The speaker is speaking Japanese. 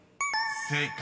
［正解。